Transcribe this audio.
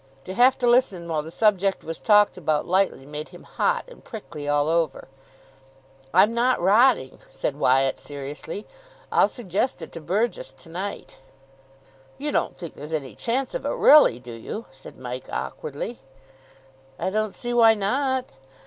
To have to listen while the subject was talked about lightly made him hot and prickly all over. "I'm not rotting," said Wyatt seriously, "I'll suggest it to Burgess to night." "You don't think there's any chance of it, really, do you?" said Mike awkwardly. "I don't see why not?